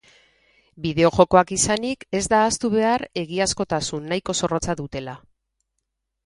Bideo-jokoak izanik, ez da ahaztu behar egiazkotasun nahiko zorrotza dutela.